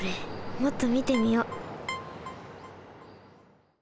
もっとみてみよう。